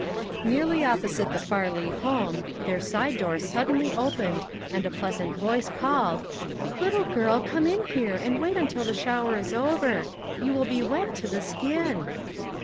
Nearly opposite the Farley home, their side door suddenly opened and a pleasant voice called :" Little girl, come in here, and wait until the shower is over ; you will be wet to the skin."